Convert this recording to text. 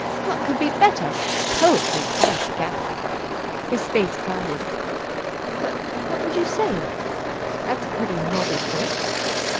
What could be better? Poetry, by Gad!" His face clouded. "But what would you say in it? That's a pretty knotty point."